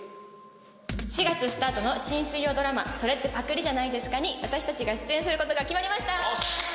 ４月スタートの新水曜ドラマ『それってパクリじゃないですか？』に私たちが出演することが決まりました。